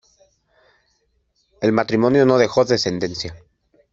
El matrimonio no dejó descendencia.